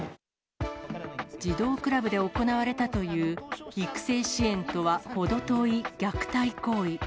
児童クラブで行われたという育成支援とはほど遠い虐待行為。